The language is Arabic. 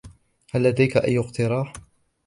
هل لديك أي اقتراح؟